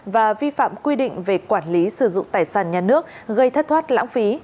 và vi phạm quy định về quản lý sử dụng tài sản nhà nước gây thất thoát lãng phí